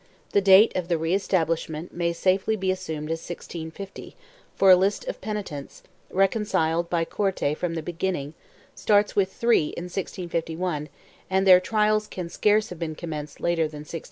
The date of the re establish rnent may safely be assumed as 1650, for a list of penitents, reconciled by Corte from the beginning, starts with three in 1651 and their trials can scarce have been commenced later than 1650.